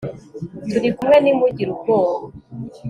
turi kumwe, ntimugire ubwoba